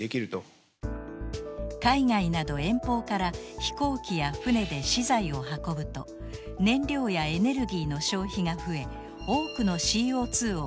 海外など遠方から飛行機や船で資材を運ぶと燃料やエネルギーの消費が増え多くのＣＯを発生させます。